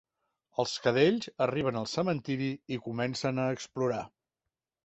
Els cadells arriben al cementiri i comencen a explorar.